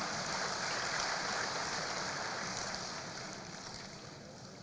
dan persatuan indonesia bapak a m hendro priyono